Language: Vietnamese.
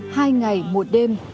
hai ngày một đêm